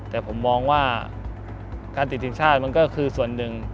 แต่ผมมองว่าการติดทีมชาติมันก็คือส่วนหนึ่ง